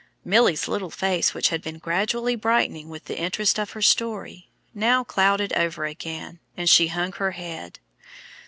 Milly's little face, which had been gradually brightening with the interest of her story, now clouded over again, and she hung her head.